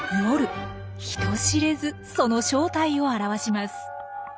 人知れずその正体を現します。